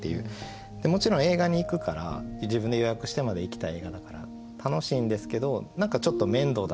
もちろん映画に行くから自分で予約してまで行きたい映画だから楽しいんですけど何かちょっと面倒だなって。